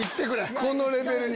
このレベルに。